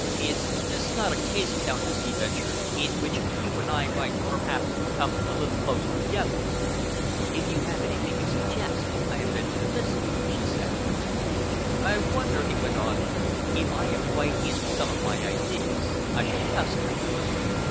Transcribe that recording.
"Is this not a case, Countess," he ventured, "in which you and I might perhaps come a little closer together?" "If you have anything to suggest, I am ready to listen," she said. "I wonder," he went on, "if I am right in some of my ideas? I shall test them.